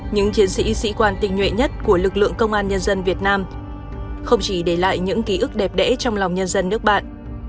những chiến sĩ sĩ quan tình nhuệ nhất của lực lượng công an nhân dân việt nam không chỉ để lại những ký ức đẹp đẽ trong lòng nhân dân nước bạn